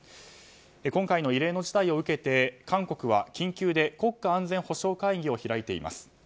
今回の異例の事態を受けて韓国は緊急で国家安全保障会議を開いています。